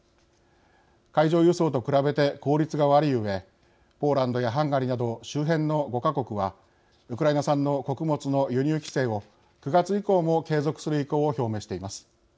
海上輸送と比べて効率が悪いうえポーランドやハンガリーなど周辺の５か国はウクライナ産の穀物の輸入規制を９月以降も継続する意向を表明しています。